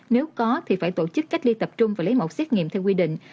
nếu có thì phải tổ chức cách ly tập trung và lấy mẫu xét nghiệm theo quy định